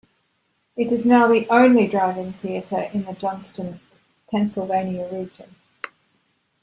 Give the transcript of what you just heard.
It is now the only drive-in theater in the Johnstown, Pennsylvania region.